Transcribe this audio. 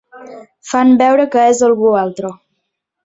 Fan veure que és algú altre.